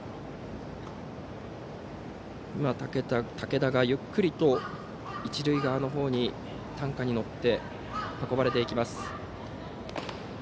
武田がゆっくりと一塁側のほうに担架に乗って運ばれていきます。